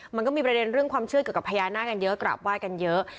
มันก็มีประเด็นเรื่องความเชื่อเกี่ยวกับพญานาคกันเยอะกราบไห้กันเยอะ